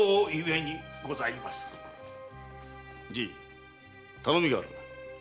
じい頼みがある。